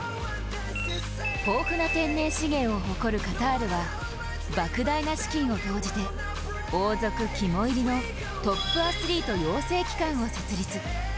豊富な天然資源を誇るカタールは、莫大な資金を投じて王族肝煎りのトップアスリート養成機関を設立。